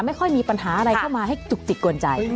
ไม่ค่อยมีปัญหาอะไรเข้ามาให้จุกจิกกวนใจ